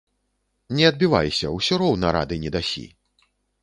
Не адбівайся, усё роўна рады не дасі.